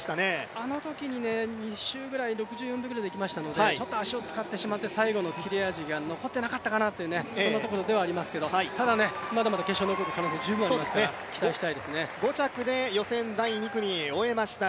あのときに２周くらい６６秒でいきましたので足を使ってしまって、最後の切れ味が残ってなかったかなというところではありますけどただ、まだまだ決勝に残る可能性は十分にありますから５着で予選第２組終えました。